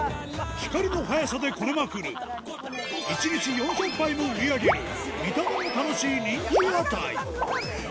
光の速さでこねまくる１日４００杯も売り上げる見た目も楽しい人気屋台